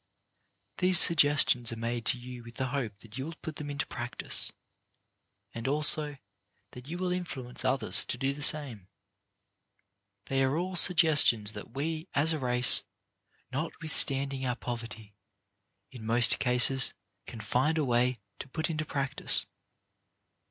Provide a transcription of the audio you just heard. These suggestions are made to you with the hope that you will put them into practice, and also that you will influence others to do the same. 62 CHARACTER BUILDING They are all suggestions that we, as a race, not withstanding our poverty, in most cases can find a way to put into practice.